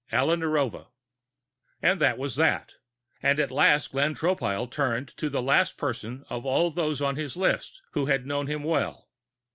_ Alla Narova. And that was that, and at last Glenn Tropile turned to the last person of all those on his list who had known him well.